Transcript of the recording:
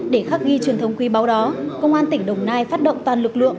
để khắc ghi truyền thống quý báu đó công an tỉnh đồng nai phát động toàn lực lượng